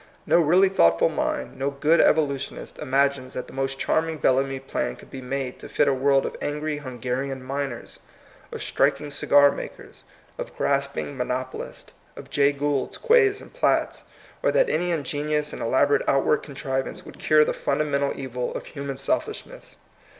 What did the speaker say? No really thoughtful mind, no good evolu tionist, imagines that the most charming Bellamy plan could be made to fit a world of angry Hungarian miners, of striking cigar makers, of grasping monopolists, of Jay Goulds, Quays, and Platts, or that any ingenious and elaborate outward contri vance would cure the fundamental evil of human selfishness.